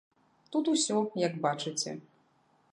Тут усё, як бачыце.